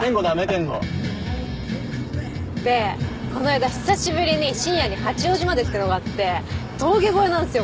健吾でこないだ久しぶりに深夜に八王子までっていうのがあって峠越えなんすよ